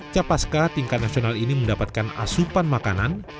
capaska tingkat nasional ini mendapatkan asupan makanan